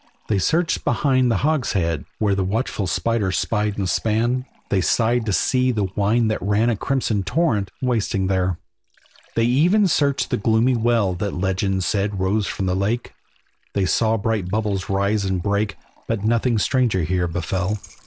They searched behind the hogshead, where The watchful spider spied and span; They sighed to see the wine that ran A crimson torrent, wasting there. They even searched the gloomy well That legend said rose from the lake; They saw bright bubbles rise and break, But nothing stranger here befell.